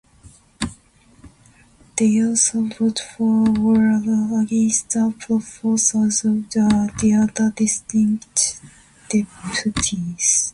They also vote for or against the proposals of the other district deputies.